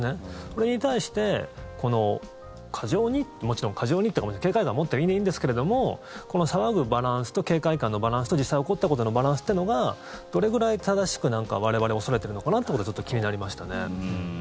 これに対して過剰にもちろん過剰にっていうか警戒感持っていいんですけれどもこの騒ぐバランスと警戒感のバランスと実際に起こったことのバランスというのがどれくらい正しく我々恐れてるのかなってのが気になりましたね。